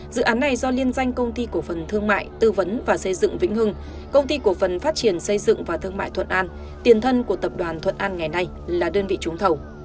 dự án này do liên danh công ty cổ phần thương mại tư vấn và xây dựng vĩnh hưng công ty cổ phần phát triển xây dựng và thương mại thuận an tiền thân của tập đoàn thuận an ngày nay là đơn vị trúng thầu